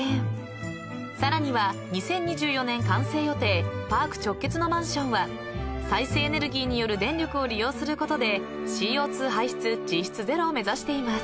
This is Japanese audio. ［さらには２０２４年完成予定パーク直結のマンションは再生エネルギーによる電力を利用することでＣＯ２排出実質ゼロを目指しています］